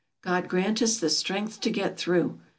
God grant us strength to get through